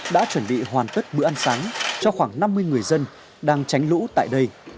đã chuẩn bị hoàn tất bữa ăn sáng cho khoảng năm mươi người dân đang tránh lũ tại đây